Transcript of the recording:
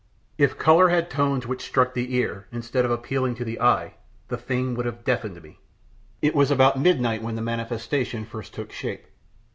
If color had tones which struck the ear, instead of appealing to the eye, the thing would have deafened me. It was about midnight when the manifestation first took shape.